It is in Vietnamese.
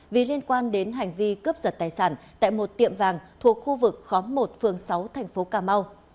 vì liên quan đến hành vi cướp giật tài sản tại một tiệm vàng thuộc khu vực khóm một phường sáu thành phố cà mau